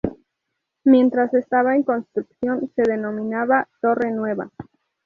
Mientras estaba en construcción, se denominaba Torre Nueva.